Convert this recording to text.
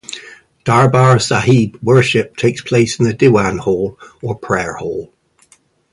Darbar Sahib Worship takes place in the Diwan Hall or prayer hall.